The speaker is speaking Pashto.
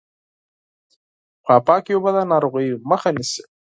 پاکې اوبه د ناروغیو مخه نیسي۔